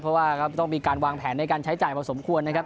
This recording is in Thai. เพราะว่าต้องมีการวางแผนในการใช้จ่ายเวลาสมควร